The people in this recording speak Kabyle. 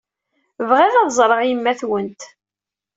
Bɣiɣ ad ẓreɣ yemma-twent.